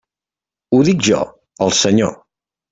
Ho dic jo, el Senyor.